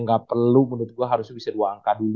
dan itu cukup ngaruh ke